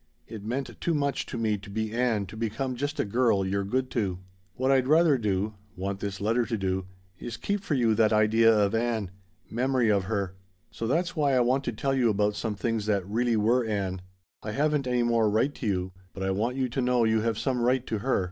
It meant too much to me to be Ann to become just a girl you're good to. "What I'd rather do want this letter to do is keep for you that idea of Ann memory of her. "So that's why I want to tell you about some things that really were Ann. I haven't any more right to you, but I want you to know you have some right to her.